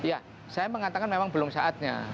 ya saya mengatakan memang belum saatnya